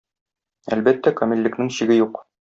Әлбәттә, камиллекнең чиге юк.